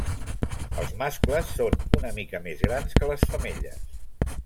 Els mascles són una mica més grans que les femelles.